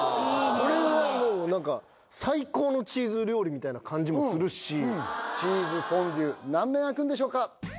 これはもうなんか最高のチーズ料理みたいな感じもするしチーズフォンデュ何面あくんでしょうか？